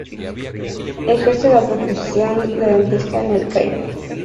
Ejerce la profesión de dentista en El Cairo.